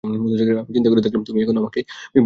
আমি চিন্তা করে দেখলাম, তুমিই এখন আমাকে বিব্রত করছো।